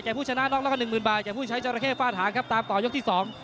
แก่ผู้ชนะนอกแล้วก็๑๐๐๐๐บาทแก่ผู้ใช้จราเข้ฝ้าทางครับตามต่อยกที่๒